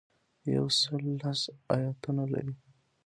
یو سل لس ایاتونه لري.